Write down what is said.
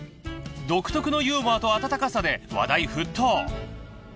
独特のユーモアと温かさで話題沸騰。